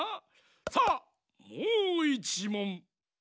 さあもう１もん！